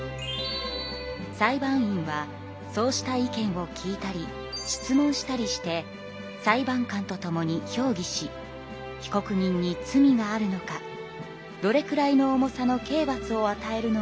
裁判員はそうした意見を聞いたり質問したりして裁判官と共に評議し被告人に罪があるのかどれくらいの重さの刑罰をあたえるのがよいのか話し合い